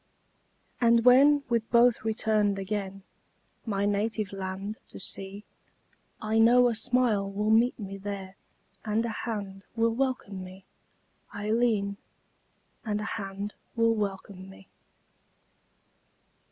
And when, with both returned again, My native land to see, I know a smile will meet me there And a hand will welcome me, Ailleen, And a hand will welcome me!